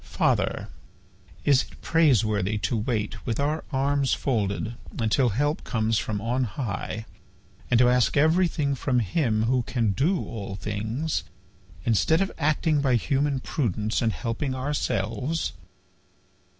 "Father, is it praiseworthy to wait, with our arms folded, until help comes from on high, and to ask everything from Him who can do all things, instead of acting by human prudence and helping ourselves?